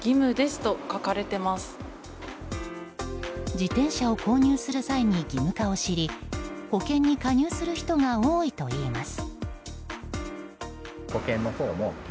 自転車を購入する際に義務化を知り保険に加入する人が多いといいます。